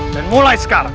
dan mulai sekarang